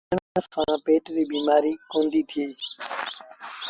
اُئي ڦآڻيٚ پيٚئڻ سآݩ پيٽ ريٚݩ بيٚمآريٚݩ با ڪونديٚݩ ٿئيٚݩ۔